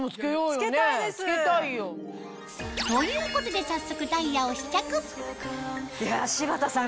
着けたいよ。ということで早速ダイヤを試着柴田さん